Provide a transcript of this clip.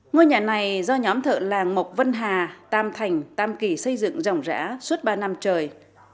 ngôi nhà này do nhóm thợ làng mộc vân hà tam thành tam kỳ xây dựng dòng rã suốt ba năm trời